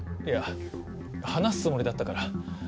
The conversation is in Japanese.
いや話すつもりだったから。